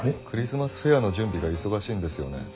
クリスマスフェアの準備が忙しいんですよね？